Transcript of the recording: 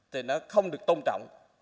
thì nó không được tôn trọng